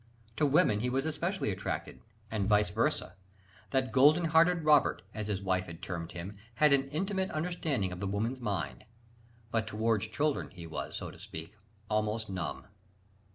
To women he was specially attracted, and vice versâ; "that golden hearted Robert," as his wife had termed him, had an intimate understanding of the woman's mind. But towards children, he was, so to speak, almost numb.